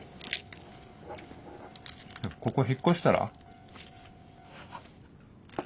ここ引っ越したら？